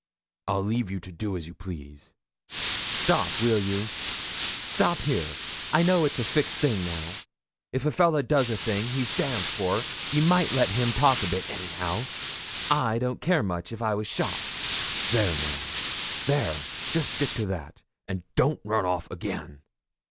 I'll leave you to do as you please.' 'Stop, will you? Stop here. I know it's a fixt thing now. If a fella does a thing he's damned for, you might let him talk a bit anyhow. I don't care much if I was shot.' 'There now there just stick to that, and don't run off again.